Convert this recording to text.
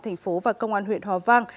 thành phố và công an huyện hòa vang